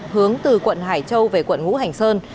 hướng từ quận hải châu về quận ngũ hành sơn